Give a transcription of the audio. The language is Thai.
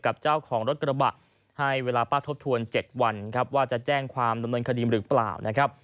กับเจ้าของรถกระบะให้เวลาป้าทบทวน๗วันครับว่าจะแจ้งความดำเนินคดีหรือเปล่านะครับ